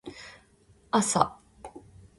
朝